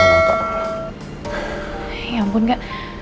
ya ampun gak